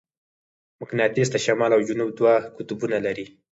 مقناطیس د شمال او جنوب دوه قطبونه لري.